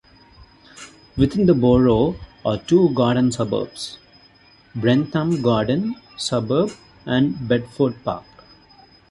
Within the borough are two garden suburbs, Brentham Garden Suburb and Bedford Park.